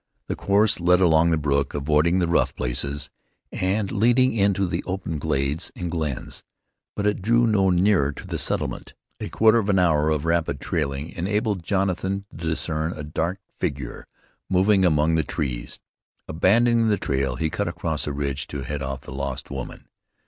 The course led along the brook, avoiding the rough places; and leading into the open glades and glens; but it drew no nearer to the settlement. A quarter of an hour of rapid trailing enabled Jonathan to discern a dark figure moving among the trees. Abandoning the trail, he cut across a ridge to head off the lost woman.